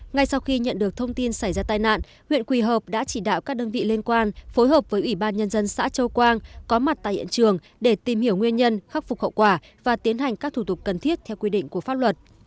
ngay sau khi nhận được thông tin xảy ra tai nạn huyện quỳ hợp đã chỉ đạo các đơn vị liên quan phối hợp với ủy ban nhân dân xã châu quang có mặt tại hiện trường để tìm hiểu nguyên nhân khắc phục hậu quả và tiến hành các thủ tục cần thiết theo quy định của pháp luật